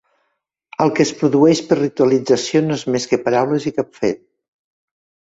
El que es produeix per ritualització no és més que paraules i cap fet.